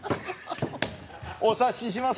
お察しします。